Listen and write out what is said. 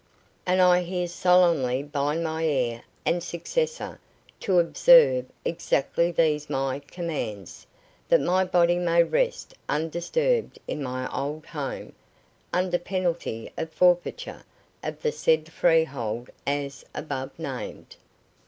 "And I here solemnly bind my heir and successor to observe exactly these my commands, that my body may rest undisturbed in my old home, under penalty of forfeiture of the said freehold as above named."